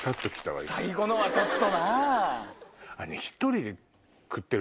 最後のはちょっとな。